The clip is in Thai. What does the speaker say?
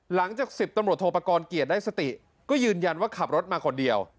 หลังจาก๑๐ตำรวจโทปกรณ์เกียรติได้สติก็ยืนยันว่าขับรถมาคนเดียว